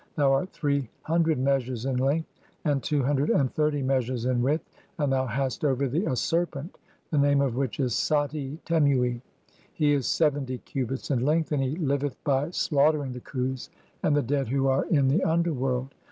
(3) Thou art three "hundred measures in length, and two hundred and thirty "measures in width, and thou hast over thee a serpent the "name of which is Sati temui z (?); (4) he is seventy cubits "in length, and he liveth by slaughtering the Khus and the "dead who are in the underworld.